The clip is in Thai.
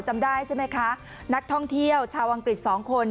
จำได้ใช่ไหมคะนักท่องเที่ยวชาวอังกฤษ๒คน